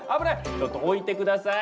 ちょっと置いて下さい。